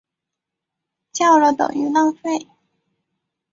叫了等于浪费